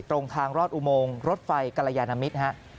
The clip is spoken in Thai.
ตรงทางรอดอุโมงรถไฟกรยานมิตรฮะ